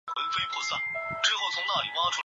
费承最后官至黄门侍郎。